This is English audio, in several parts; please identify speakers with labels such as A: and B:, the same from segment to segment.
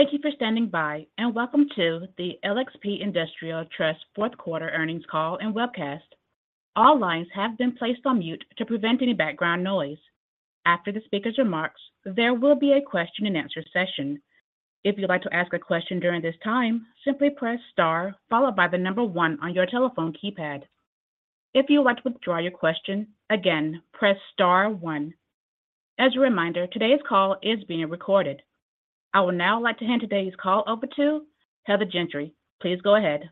A: Thank you for standing by, and welcome to the LXP Industrial Trust Fourth Quarter Earnings Call and Webcast. All lines have been placed on mute to prevent any background noise. After the speaker's remarks, there will be a question-and-answer session. If you'd like to ask a question during this time, simply press star followed by the number one on your telephone keypad. If you would like to withdraw your question, again, press star one. As a reminder, today's call is being recorded. I will now like to hand today's call over to Heather Gentry. Please go ahead.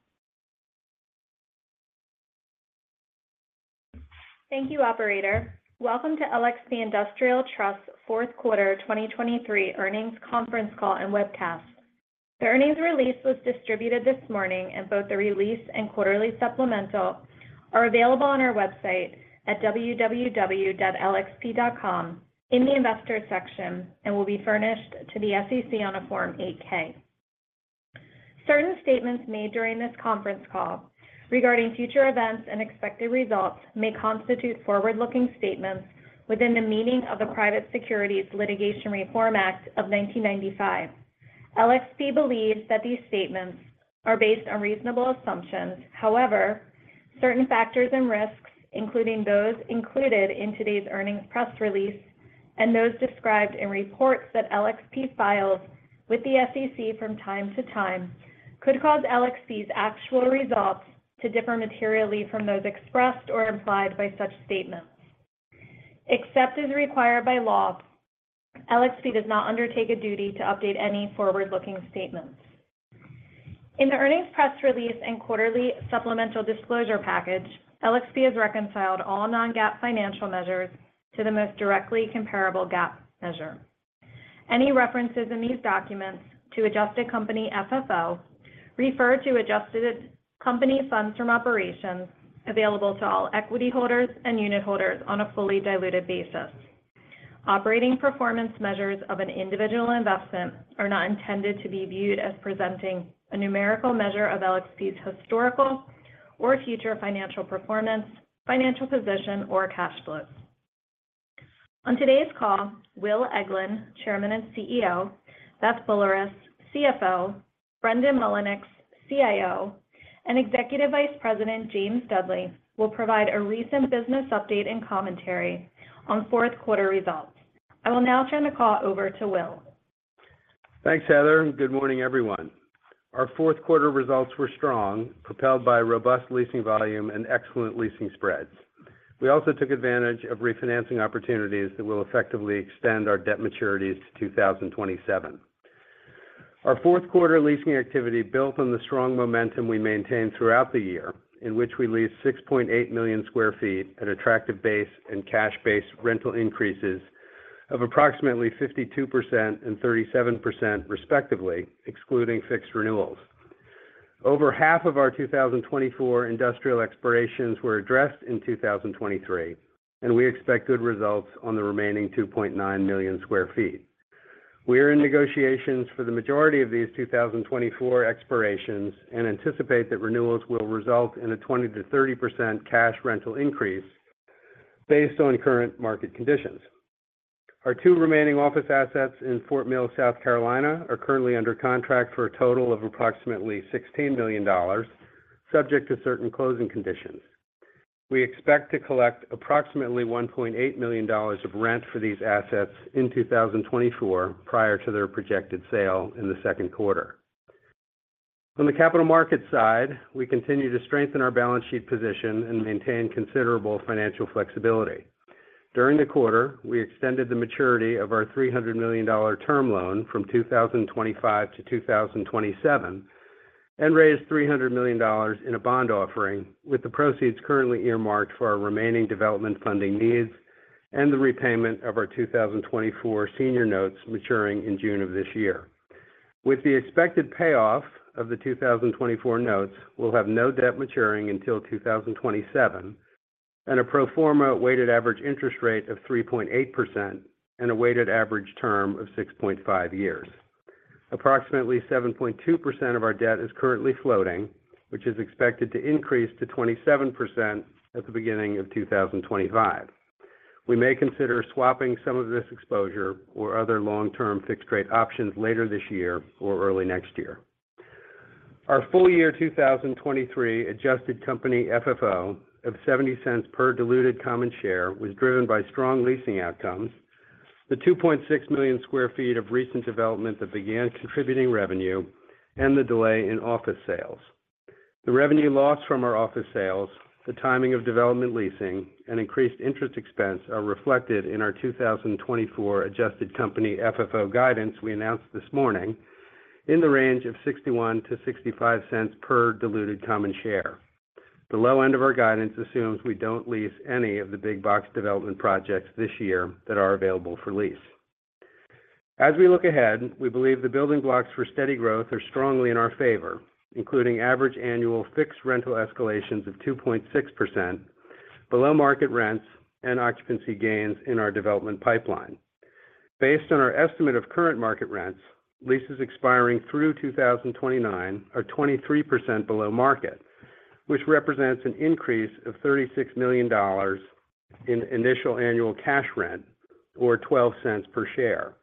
B: Thank you, operator. Welcome to LXP Industrial Trust Fourth Quarter 2023 Earnings Conference Call and Webcast. The earnings release was distributed this morning, and both the release and quarterly supplemental are available on our website at www.LXP.com in the investors section and will be furnished to the SEC on a Form 8-K. Certain statements made during this conference call regarding future events and expected results may constitute forward-looking statements within the meaning of the Private Securities Litigation Reform Act of 1995. LXP believes that these statements are based on reasonable assumptions. However, certain factors and risks, including those included in today's earnings press release and those described in reports that LXP files with the SEC from time to time, could cause LXP's actual results to differ materially from those expressed or implied by such statements. Except as required by law, LXP does not undertake a duty to update any forward-looking statements. In the earnings press release and quarterly supplemental disclosure package, LXP has reconciled all non-GAAP financial measures to the most directly comparable GAAP measure. Any references in these documents to Adjusted Company FFO refer to adjusted company funds from operations available to all equity holders and unit holders on a fully diluted basis. Operating performance measures of an individual investment are not intended to be viewed as presenting a numerical measure of LXP's historical or future financial performance, financial position, or cash flows. On today's call, Will Eglin, Chairman and CEO; Beth Boulerice, CFO; Brendan Mullinix, CIO; and Executive Vice President James Dudley will provide a recent business update and commentary on fourth quarter results. I will now turn the call over to Will.
C: Thanks, Heather. Good morning, everyone. Our fourth quarter results were strong, propelled by robust leasing volume and excellent leasing spreads. We also took advantage of refinancing opportunities that will effectively extend our debt maturities to 2027. Our fourth quarter leasing activity built on the strong momentum we maintained throughout the year, in which we leased 6.8 million sq ft at attractive base and cash-based rental increases of approximately 52% and 37%, respectively, excluding fixed renewals. Over half of our 2024 industrial expirations were addressed in 2023, and we expect good results on the remaining 2.9 million sq ft. We are in negotiations for the majority of these 2024 expirations and anticipate that renewals will result in a 20%-30% cash rental increase based on current market conditions. Our two remaining office assets in Fort Mill, South Carolina, are currently under contract for a total of approximately $16 million, subject to certain closing conditions. We expect to collect approximately $1.8 million of rent for these assets in 2024 prior to their projected sale in the second quarter. On the capital markets side, we continue to strengthen our balance sheet position and maintain considerable financial flexibility. During the quarter, we extended the maturity of our $300 million term loan from 2025-2027 and raised $300 million in a bond offering, with the proceeds currently earmarked for our remaining development funding needs and the repayment of our 2024 senior notes maturing in June of this year. With the expected payoff of the 2024 notes, we'll have no debt maturing until 2027 and a pro forma weighted average interest rate of 3.8% and a weighted average term of 6.5 years. Approximately 7.2% of our debt is currently floating, which is expected to increase to 27% at the beginning of 2025. We may consider swapping some of this exposure or other long-term fixed-rate options later this year or early next year. Our full-year 2023 Adjusted Company FFO of $0.70 per diluted common share was driven by strong leasing outcomes, the 2.6 million sq ft of recent development that began contributing revenue, and the delay in office sales. The revenue loss from our office sales, the timing of development leasing, and increased interest expense are reflected in our 2024 Adjusted Company FFO guidance we announced this morning in the range of $0.61-$0.65 per diluted common share. The low end of our guidance assumes we don't lease any of the big-box development projects this year that are available for lease. As we look ahead, we believe the building blocks for steady growth are strongly in our favor, including average annual fixed rental escalations of 2.6%, below-market rents, and occupancy gains in our development pipeline. Based on our estimate of current market rents, leases expiring through 2029 are 23% below market, which represents an increase of $36 million in initial annual cash rent, or $0.12 per share.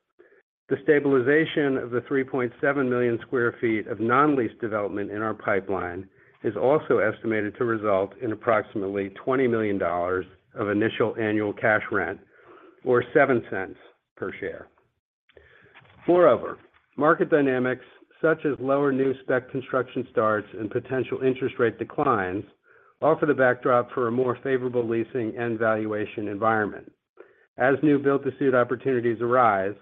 C: The stabilization of the 3.7 million sq ft of non-leased development in our pipeline is also estimated to result in approximately $20 million of initial annual cash rent, or $0.07 per share. Moreover, market dynamics such as lower new spec construction starts and potential interest rate declines offer the backdrop for a more favorable leasing and valuation environment. As new build-to-suit opportunities arise,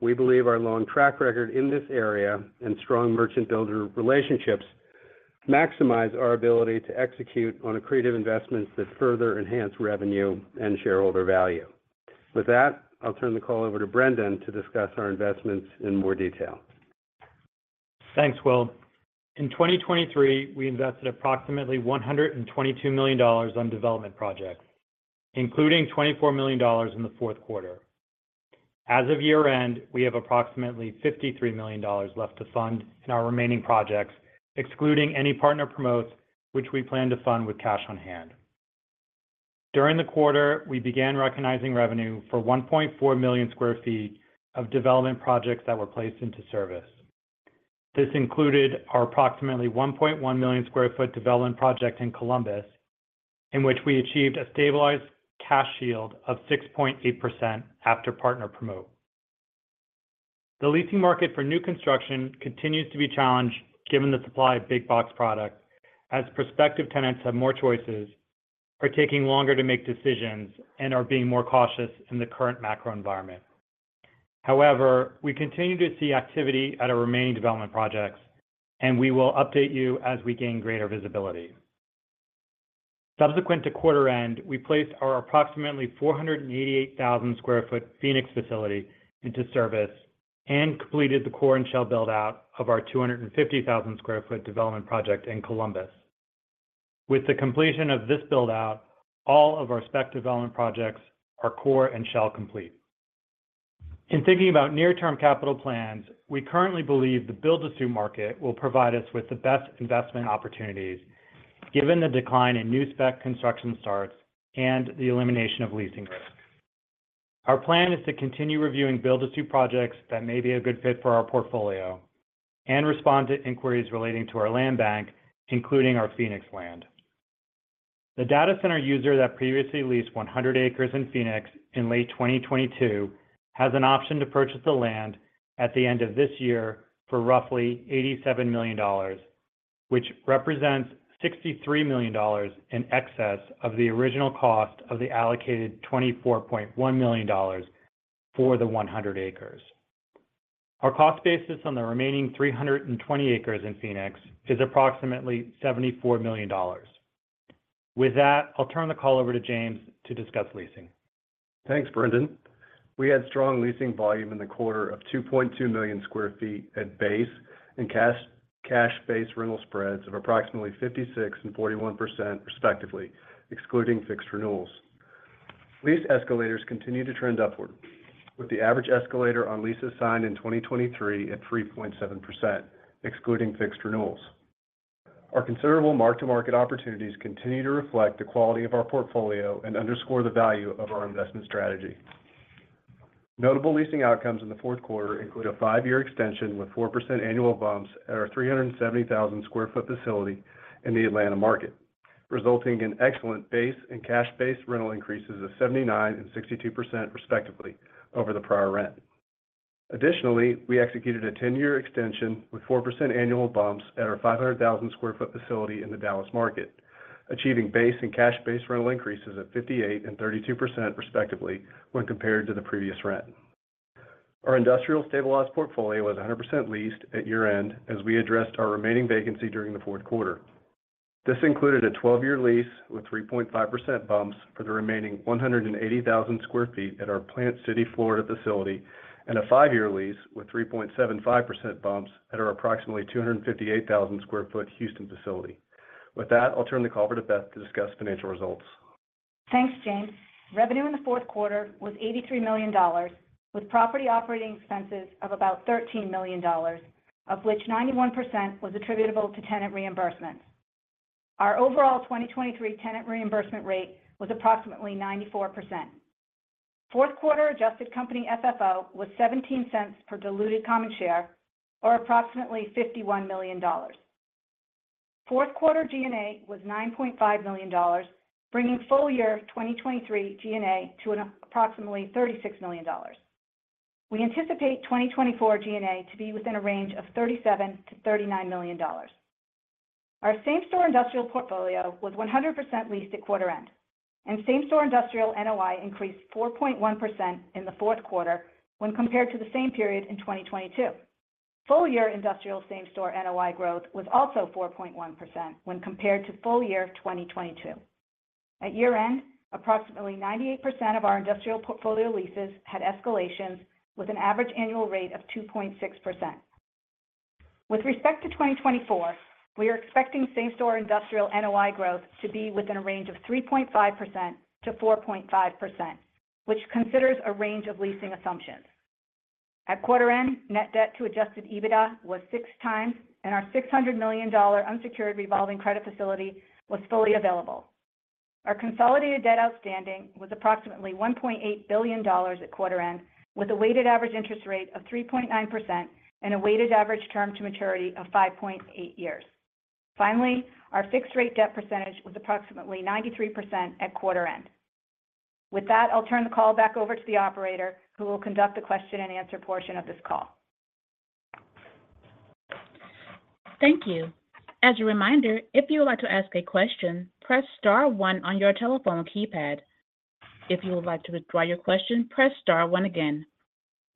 C: we believe our long track record in this area and strong merchant-builder relationships maximize our ability to execute on accretive investments that further enhance revenue and shareholder value. With that, I'll turn the call over to Brendan to discuss our investments in more detail.
D: Thanks, Will. In 2023, we invested approximately $122 million on development projects, including $24 million in the fourth quarter. As of year-end, we have approximately $53 million left to fund in our remaining projects, excluding any partner promotes, which we plan to fund with cash on hand. During the quarter, we began recognizing revenue for 1.4 million sq ft of development projects that were placed into service. This included our approximately 1.1 million sq ft development project in Columbus, in which we achieved a stabilized cash yield of 6.8% after partner promote. The leasing market for new construction continues to be challenged given the supply of big-box product, as prospective tenants have more choices, are taking longer to make decisions, and are being more cautious in the current macro environment. However, we continue to see activity at our remaining development projects, and we will update you as we gain greater visibility. Subsequent to quarter-end, we placed our approximately 488,000 sq ft Phoenix facility into service and completed the core and shell build-out of our 250,000 sq ft development project in Columbus. With the completion of this build-out, all of our spec development projects are core and shell complete. In thinking about near-term capital plans, we currently believe the build-to-suit market will provide us with the best investment opportunities given the decline in new spec construction starts and the elimination of leasing risk. Our plan is to continue reviewing build-to-suit projects that may be a good fit for our portfolio and respond to inquiries relating to our land bank, including our Phoenix land. The data center user that previously leased 100 acres in Phoenix in late 2022 has an option to purchase the land at the end of this year for roughly $87 million, which represents $63 million in excess of the original cost of the allocated $24.1 million for the 100 acres. Our cost basis on the remaining 320 acres in Phoenix is approximately $74 million. With that, I'll turn the call over to James to discuss leasing.
E: Thanks, Brendan. We had strong leasing volume in the quarter of 2.2 million sq ft at base and cash-based rental spreads of approximately 56% and 41%, respectively, excluding fixed renewals. Lease escalators continue to trend upward, with the average escalator on lease assigned in 2023 at 3.7%, excluding fixed renewals. Our considerable mark-to-market opportunities continue to reflect the quality of our portfolio and underscore the value of our investment strategy. Notable leasing outcomes in the fourth quarter include a five-year extension with 4% annual bumps at our 370,000 sq ft facility in the Atlanta market, resulting in excellent base and cash-based rental increases of 79% and 62%, respectively, over the prior rent. Additionally, we executed a 10-year extension with 4% annual bumps at our 500,000 sq ft facility in the Dallas market, achieving base and cash-based rental increases of 58% and 32%, respectively, when compared to the previous rent. Our industrial stabilized portfolio was 100% leased at year-end as we addressed our remaining vacancy during the fourth quarter. This included a 12-year lease with 3.5% bumps for the remaining 180,000 sq ft at our Plant City, Florida facility and a 5-year lease with 3.75% bumps at our approximately 258,000 sq ft Houston facility. With that, I'll turn the call over to Beth to discuss financial results.
F: Thanks, James. Revenue in the fourth quarter was $83 million, with property operating expenses of about $13 million, of which 91% was attributable to tenant reimbursements. Our overall 2023 tenant reimbursement rate was approximately 94%. Fourth quarter Adjusted Company FFO was $0.17 per diluted common share, or approximately $51 million. Fourth quarter G&A was $9.5 million, bringing full year 2023 G&A to approximately $36 million. We anticipate 2024 G&A to be within a range of $37 million-$39 million. Our same-store industrial portfolio was 100% leased at quarter-end, and same-store industrial NOI increased 4.1% in the fourth quarter when compared to the same period in 2022. Full year industrial same-store NOI growth was also 4.1% when compared to full year 2022. At year-end, approximately 98% of our industrial portfolio leases had escalations, with an average annual rate of 2.6%. With respect to 2024, we are expecting same-store industrial NOI growth to be within a range of 3.5%-4.5%, which considers a range of leasing assumptions. At quarter-end, net debt to adjusted EBITDA was 6x, and our $600 million unsecured revolving credit facility was fully available. Our consolidated debt outstanding was approximately $1.8 billion at quarter-end, with a weighted average interest rate of 3.9% and a weighted average term to maturity of 5.8 years. Finally, our fixed-rate debt percentage was approximately 93% at quarter-end. With that, I'll turn the call back over to the operator, who will conduct the question-and-answer portion of this call.
A: Thank you. As a reminder, if you would like to ask a question, press star one on your telephone keypad. If you would like to withdraw your question, press star one again.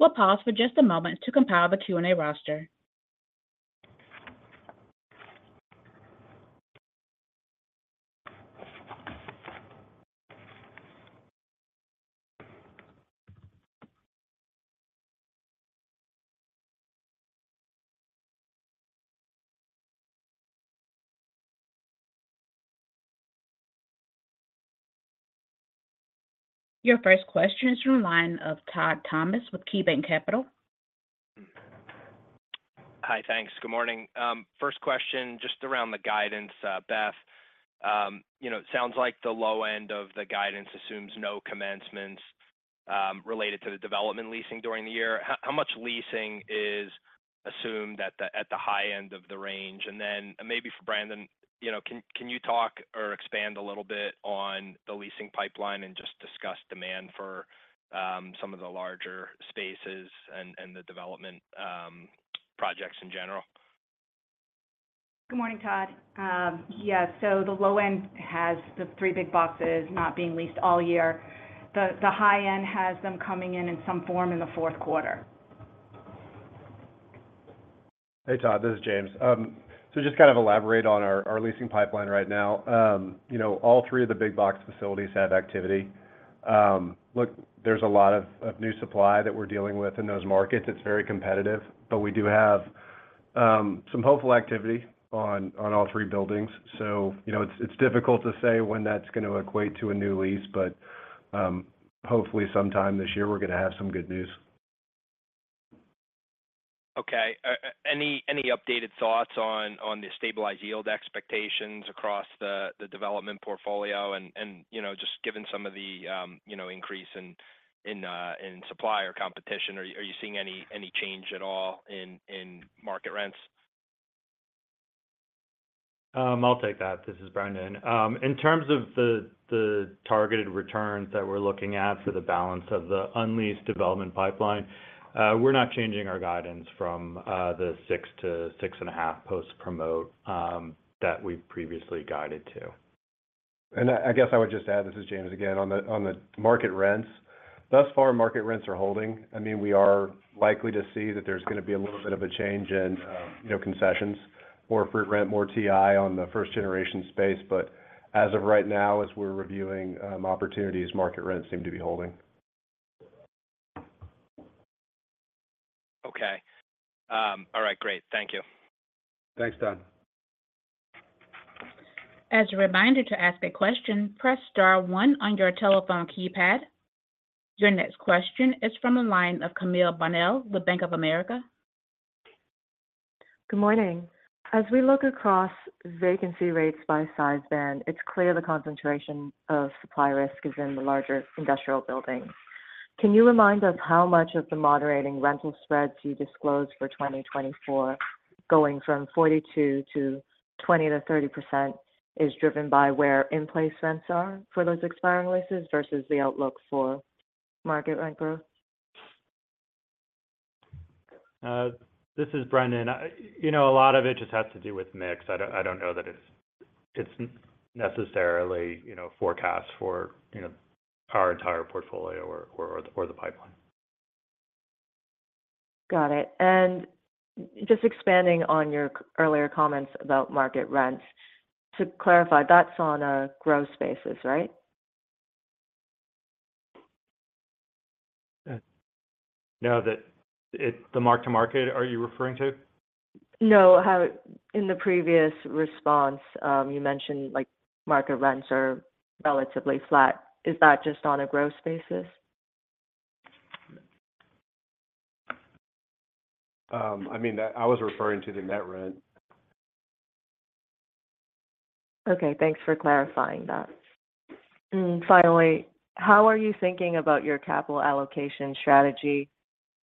A: We'll pause for just a moment to compile the Q&A roster. Your first question is from the line of Todd Thomas with KeyBanc Capital Markets.
G: Hi, thanks. Good morning. First question, just around the guidance, Beth. It sounds like the low end of the guidance assumes no commencements related to the development leasing during the year. How much leasing is assumed at the high end of the range? And then maybe for Brendan, can you talk or expand a little bit on the leasing pipeline and just discuss demand for some of the larger spaces and the development projects in general?
F: Good morning, Todd. Yeah, so the low end has the three big boxes not being leased all year. The high end has them coming in in some form in the fourth quarter.
H: Hey, Todd. This is James. So just kind of elaborate on our leasing pipeline right now. All three of the big-box facilities have activity. Look, there's a lot of new supply that we're dealing with in those markets. It's very competitive, but we do have some hopeful activity on all three buildings. So it's difficult to say when that's going to equate to a new lease, but hopefully, sometime this year, we're going to have some good news.
G: Okay. Any updated thoughts on the stabilized yield expectations across the development portfolio? Just given some of the increase in supply or competition, are you seeing any change at all in market rents?
H: I'll take that. This is Brendan. In terms of the targeted returns that we're looking at for the balance of the unleased development pipeline, we're not changing our guidance from the 6-6.5 post-promote that we previously guided to.
I: I guess I would just add, this is James again, on the market rents, thus far, market rents are holding. I mean, we are likely to see that there's going to be a little bit of a change in concessions, more free rent, more TI on the first-generation space. But as of right now, as we're reviewing opportunities, market rents seem to be holding.
G: Okay. All right. Great. Thank you.
H: Thanks, Todd.
A: As a reminder to ask a question, press star 1 on your telephone keypad. Your next question is from the line of Camille Bonnel with Bank of America.
J: Good morning. As we look across vacancy rates by size band, it's clear the concentration of supply risk is in the larger industrial buildings. Can you remind us how much of the moderating rental spreads you disclosed for 2024, going from 42%-20%-30%, is driven by where in-place rents are for those expiring leases versus the outlook for market rent growth?
H: This is Brendan. A lot of it just has to do with mix. I don't know that it's necessarily forecast for our entire portfolio or the pipeline.
J: Got it. Just expanding on your earlier comments about market rents, to clarify, that's on a growth basis, right?
H: No, the mark-to-market, are you referring to?
J: No. In the previous response, you mentioned market rents are relatively flat. Is that just on a growth basis?
I: I mean, I was referring to the net rent.
J: Okay. Thanks for clarifying that. Finally, how are you thinking about your capital allocation strategy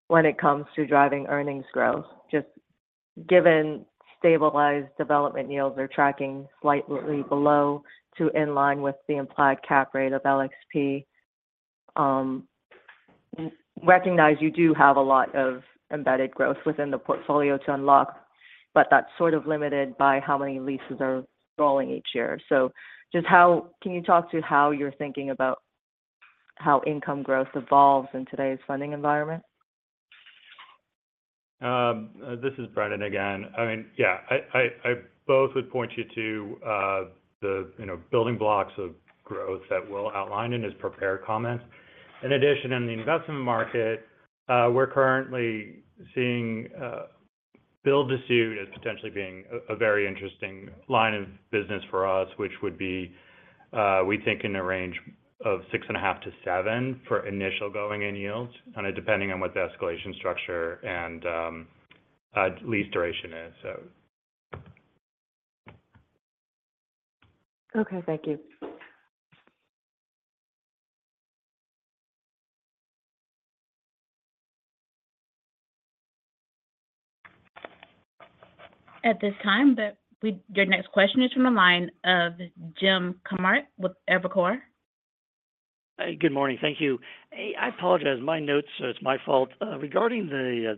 J: when it comes to driving earnings growth? Just given stabilized development yields are tracking slightly below to in line with the implied cap rate of LXP, recognize you do have a lot of embedded growth within the portfolio to unlock, but that's sort of limited by how many leases are rolling each year. So, can you talk to how you're thinking about how income growth evolves in today's funding environment?
H: This is Brendan again. I mean, yeah, I both would point you to the building blocks of growth that Will outlined in his prepared comments. In addition, in the investment market, we're currently seeing build-to-suit as potentially being a very interesting line of business for us, which would be, we think, in the range of 6.5-7 for initial going-in yields, depending on what the escalation structure and lease duration is, so.
J: Okay. Thank you.
A: At this time, but your next question is from the line of Jim Kammert with Evercore.
K: Good morning. Thank you. I apologize. My notes, so it's my fault. Regarding the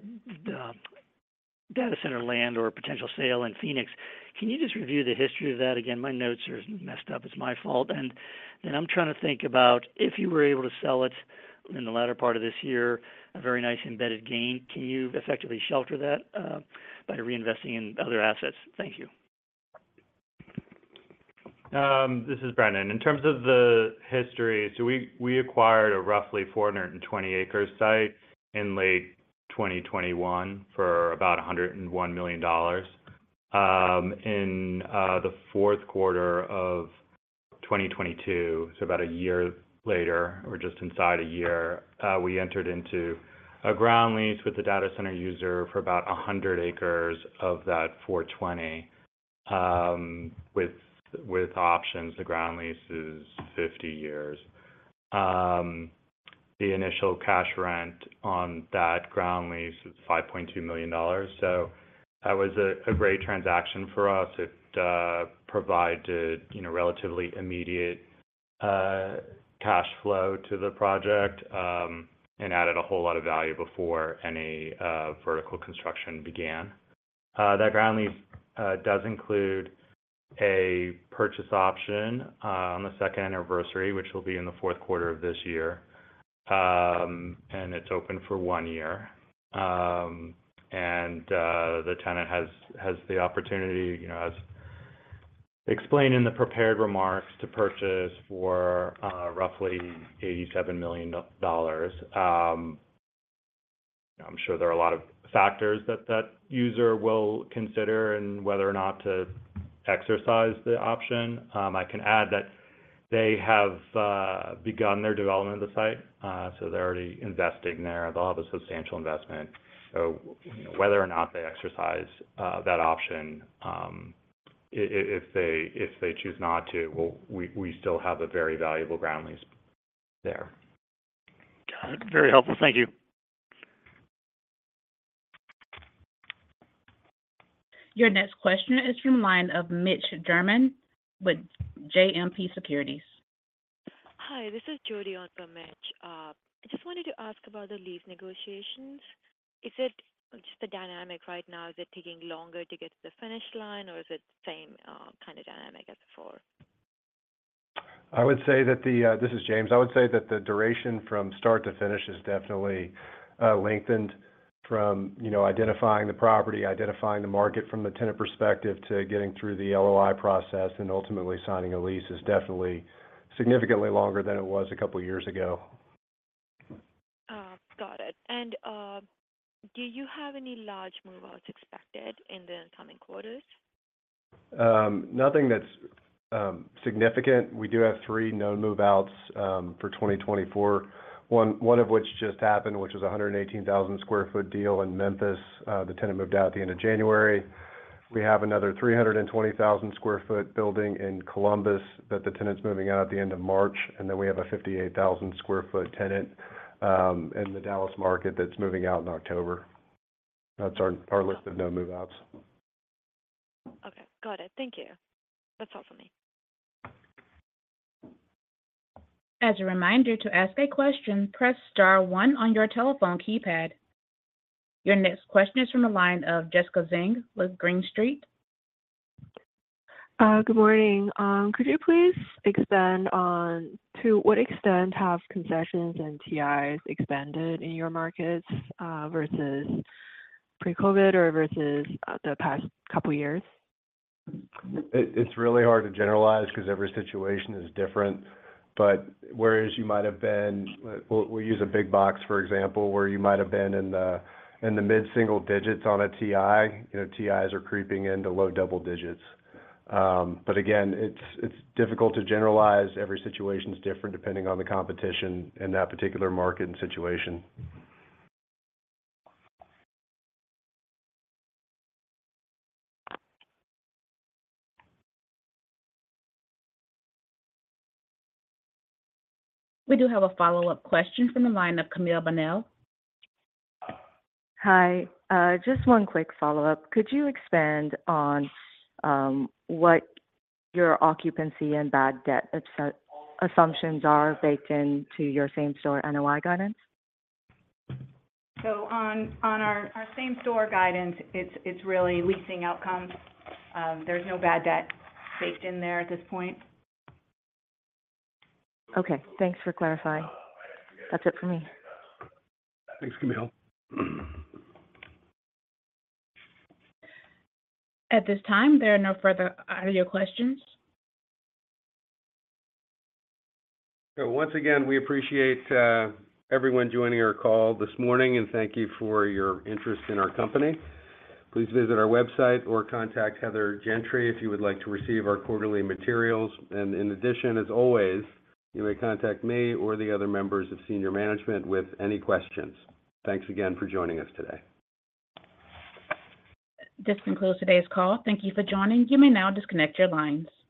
K: data center land or potential sale in Phoenix, can you just review the history of that again? My notes are messed up. It's my fault. And then I'm trying to think about if you were able to sell it in the latter part of this year, a very nice embedded gain. Can you effectively shelter that by reinvesting in other assets? Thank you.
H: This is Brendan. In terms of the history, so we acquired a roughly 420-acre site in late 2021 for about $101 million. In the fourth quarter of 2022, so about a year later, or just inside a year, we entered into a ground lease with the data center user for about 100 acres of that 420, with options. The ground lease is 50 years. The initial cash rent on that ground lease is $5.2 million. That was a great transaction for us. It provided relatively immediate cash flow to the project and added a whole lot of value before any vertical construction began. That ground lease does include a purchase option on the second anniversary, which will be in the fourth quarter of this year. It's open for one year. The tenant has the opportunity, as explained in the prepared remarks, to purchase for roughly $87 million. I'm sure there are a lot of factors that the user will consider in whether or not to exercise the option. I can add that they have begun their development of the site, so they're already investing there. They'll have a substantial investment. So whether or not they exercise that option, if they choose not to, we still have a very valuable ground lease there.
K: Got it. Very helpful. Thank you.
A: Your next question is from the line of Julian with JMP Securities.
L: Hi. This is Julian Mitch from JMP. I just wanted to ask about the lease negotiations. Just the dynamic right now, is it taking longer to get to the finish line, or is it the same kind of dynamic as before?
I: This is James. I would say that the duration from start to finish is definitely lengthened from identifying the property, identifying the market from the tenant perspective, to getting through the LOI process, and ultimately signing a lease is definitely significantly longer than it was a couple of years ago.
L: Got it. And do you have any large move-outs expected in the coming quarters?
I: Nothing that's significant. We do have three known move-outs for 2024, one of which just happened, which was a 118,000 sq ft deal in Memphis. The tenant moved out at the end of January. We have another 320,000 sq ft building in Columbus that the tenant's moving out at the end of March. And then we have a 58,000 sq ft tenant in the Dallas market that's moving out in October. That's our list of known move-outs.
L: Okay. Got it. Thank you. That's all from me.
A: As a reminder to ask a question, press star one on your telephone keypad. Your next question is from the line of Jessica Zheng with Green Street.
M: Good morning. Could you please extend on to what extent have concessions and TIs expanded in your markets versus pre-COVID or versus the past couple of years?
I: It's really hard to generalize because every situation is different. But whereas you might have been, we'll use a big box, for example, where you might have been in the mid-single digits on a TI, TIs are creeping into low double digits. But again, it's difficult to generalize. Every situation's different depending on the competition in that particular market and situation.
A: We do have a follow-up question from the line of Camille Bonnel.
J: Hi. Just one quick follow-up. Could you expand on what your occupancy and bad debt assumptions are baked into your same-store NOI guidance?
F: On our same-store guidance, it's really leasing outcomes. There's no bad debt baked in there at this point.
J: Okay. Thanks for clarifying. That's it for me.
H: Thanks, Camille.
A: At this time, there are no further audio questions.
I: Once again, we appreciate everyone joining our call this morning, and thank you for your interest in our company. Please visit our website or contact Heather Gentry if you would like to receive our quarterly materials. In addition, as always, you may contact me or the other members of senior management with any questions. Thanks again for joining us today.
A: This concludes today's call. Thank you for joining. You may now disconnect your lines.